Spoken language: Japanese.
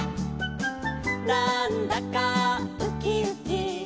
「なんだかウキウキ」